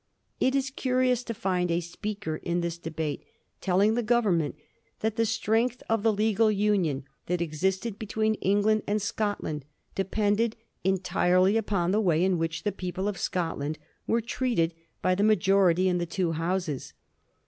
It is curious to find a speak er in this debate telling the Government that the strength of the legal union that existed between England and Scot land depended entirely upon the way in which the people of Scotland were treated by the majority in the two Houses.